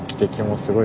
すごい。